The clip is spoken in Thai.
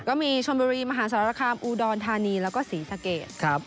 ก็มีชวนบุรีมหาสารคลามอูดอนธานีแล้วก็ศรีจักรรย์